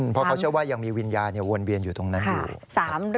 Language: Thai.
เพราะเขาเชื่อว่ายังมีวิญญาณวนเวียนอยู่ตรงนั้นอยู่